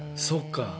そうか。